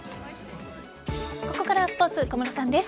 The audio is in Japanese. ここからはスポーツ小室さんです。